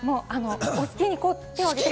お好きに手を挙げて。